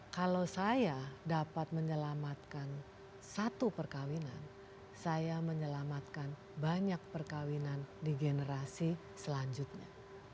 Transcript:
kalau saya dapat menyelamatkan satu perkawinan saya menyelamatkan banyak perkawinan di generasi selanjutnya